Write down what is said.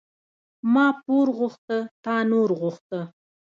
ـ ما پور غوښته تا نور غوښته.